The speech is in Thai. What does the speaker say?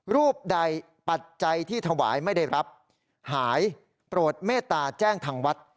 รูปใดปัจจัยที่ถวายไม่ได้รับหายโปรดเมตตาแจ้งทางวัด